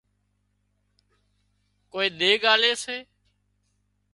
ڪوئي ۮيڳ آلي سي